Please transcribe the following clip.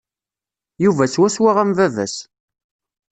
Yuba swaswa am baba-s.